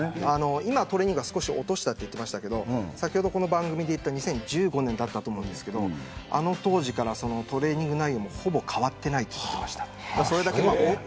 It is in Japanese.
今トレーニングは少し落としたと言っていましたが先ほど番組で行った２０１５年だと思いますがあの当時からトレーニング内容もほぼ変わっていないと言っていました。